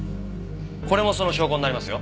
これもその証拠になりますよ。